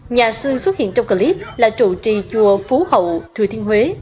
nhà sư xuất hiện trong clip là chủ trì chùa phú hậu thừa thiên huế